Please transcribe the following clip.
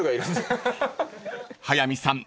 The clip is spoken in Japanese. ［早見さん